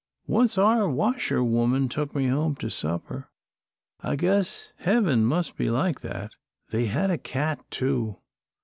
Once our washerwoman took me home to supper. I guess heaven must be like that. They had a cat, too.